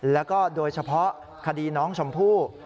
แล้วก็โดยเฉพาะคดีน้องชมพู่